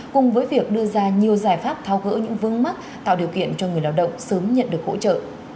cùng với việc đưa ra nhiều giải pháp thao gỡ những vương mắc tạo điều kiện cho người lao động sớm nhận được hỗ trợ